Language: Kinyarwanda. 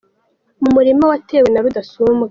Mu murima watewe na Rudasumbwa